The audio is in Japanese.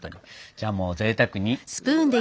じゃあもうぜいたくに。